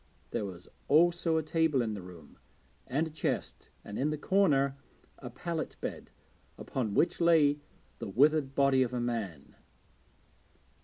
There was also a table in the room, and a chest, and, in the corner, a pallet bed, upon which lay the withered body of a man.